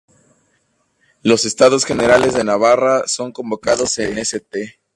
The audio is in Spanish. Los "Estados Generales de Navarra" son convocados en St.